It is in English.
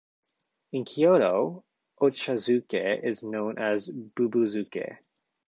In Kyoto, "ochazuke" is known as "bubuzuke.